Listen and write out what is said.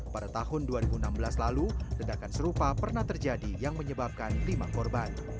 pada tahun dua ribu enam belas lalu ledakan serupa pernah terjadi yang menyebabkan lima korban